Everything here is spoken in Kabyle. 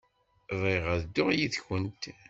Bɣiɣ ad dduɣ yid-kent.